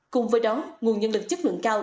cùng với đó nguồn nhân lực chất lượng cao